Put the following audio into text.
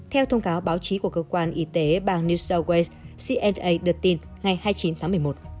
theo thông cáo báo chí của cơ quan y tế bang new south wales cna đưa tin ngày hai mươi chín tháng một mươi một